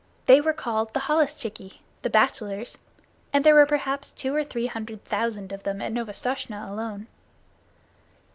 They were called the holluschickie the bachelors and there were perhaps two or three hundred thousand of them at Novastoshnah alone.